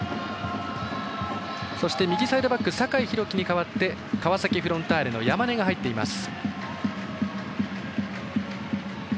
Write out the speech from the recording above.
そして、右サイドバック酒井宏樹に代わって川崎フロンターレの山根が入っています。